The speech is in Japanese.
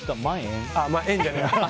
円じゃないや。